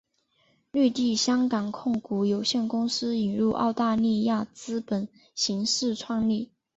绿地香港控股有限公司引入澳大利亚资本形式创立。